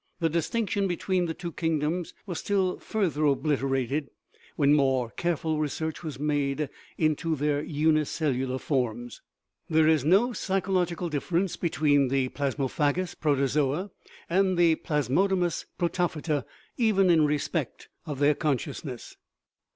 The distinction between the two kingdoms was still further obliterated when more care ful research was made into their unicellular forms. There is no psychological difference between the plas mophagous protozoa and the plasmodomous proto phyta, even in respect of their consciousness.